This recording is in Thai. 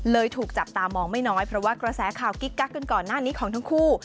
ถูกจับตามองไม่น้อยเพราะว่ากระแสข่าวกิ๊กกักกันก่อนหน้านี้ของทั้งคู่